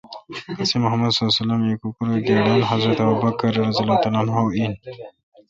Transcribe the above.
اسے°محمدؐہیکوراے° گڑن حضرت ابوبکؓر این